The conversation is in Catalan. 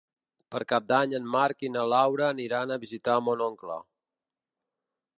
Per Cap d'Any en Marc i na Laura aniran a visitar mon oncle.